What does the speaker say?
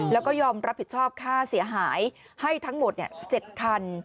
แล้วก็ยอมรับผิดชอบค่าเสียหายให้ทั้งหมด๗คัน